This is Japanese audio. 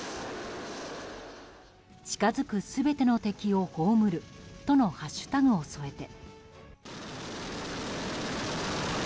「近づく全ての敵を葬る」とのハッシュタグを添えて。